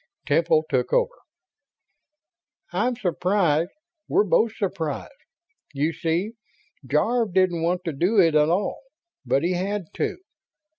Temple took over. "I'm surprised. We're both surprised. You see, Jarve didn't want to do it at all, but he had to.